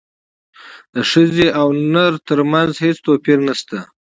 ښځې او نر ترمنځ هیڅ توپیر نشته